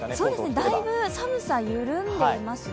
だいぶ寒さ緩んでいますね。